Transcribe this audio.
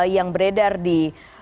yang beredar di